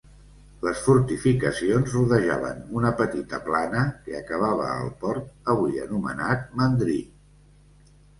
Les fortificacions rodejaven una petita plana que acabava al port, avui anomenat Mandrí.